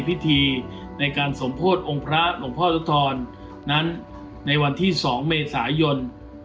พิธีในการสมโพธิองค์พระหลวงพ่อนุทรนั้นในวันที่๒เมษายน